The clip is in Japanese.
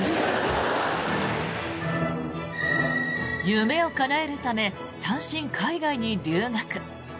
夢をかなえるため単身、海外に留学。